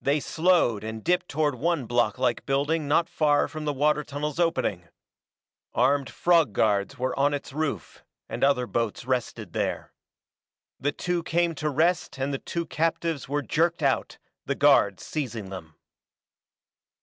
They slowed and dipped toward one block like building not far from the water tunnel's opening. Armed frog guards were on its roof, and other boats rested there. The two came to rest and the two captives were jerked out, the guards seizing them.